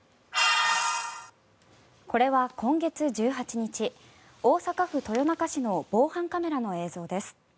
これは今月１８日大阪府豊中市の防犯カメラの映像です。